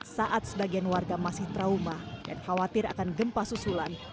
saat sebagian warga masih trauma dan khawatir akan gempa susulan